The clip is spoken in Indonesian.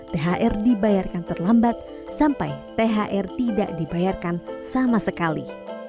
thr dibayarkan terlambat sampai thr tidak dibayarkan sama sekali